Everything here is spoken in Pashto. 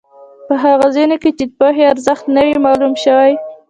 په هغو ځایونو کې چې پوهې ارزښت نه وي معلوم شوی.